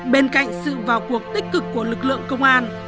bên cạnh sự vào cuộc tích cực của lực lượng công an